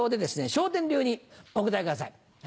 笑点流にお答えください。